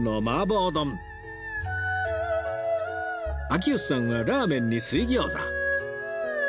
秋吉さんはラーメンに水餃子